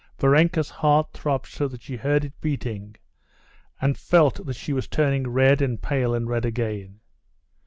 Varenka's heart throbbed so that she heard it beating, and felt that she was turning red and pale and red again.